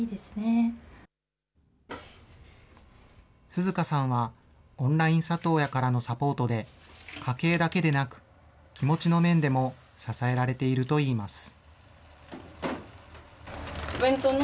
涼花さんは、オンライン里親からのサポートで、家計だけでなく、気持ちの面でも支えられているといいます。